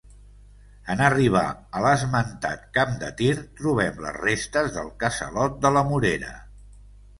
En arribar a l'esmentat camp de tir trobem les restes del casalot de la Morera.